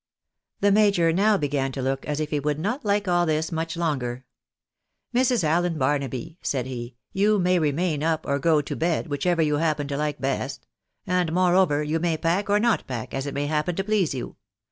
The major now began to look as if he would not like all this much longer. " jNIrs. Allen Baruaby," said he, " you may remain up or go to bed, whichever you happen to like best : and, moreover, you may pack, or not pack, as it may happen to please you.